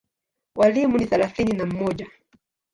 Walimu ni thelathini na mmoja.